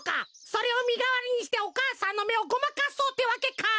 それをみがわりにしてお母さんのめをごまかそうってわけか！